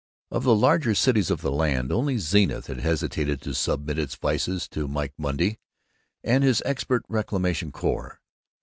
Of the larger cities of the land, only Zenith had hesitated to submit its vices to Mike Monday and his expert reclamation corps.